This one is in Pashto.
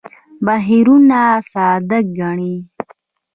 بهیرونه ساده ګڼي.